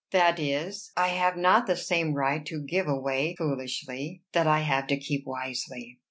That is, I have not the same right to give away foolishly that I have to keep wisely."